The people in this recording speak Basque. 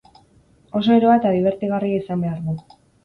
Oso eroa eta dibertigarria izan behar du.